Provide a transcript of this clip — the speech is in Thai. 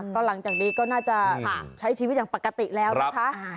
ก็หลังจากนี้ก็น่าจะใช้ชีวิตอย่างปกติแล้วนะคะ